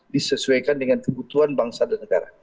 disesuaikan dengan kebutuhan bangsa dan negara